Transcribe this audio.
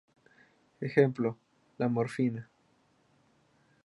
Ejemplo: la morfina.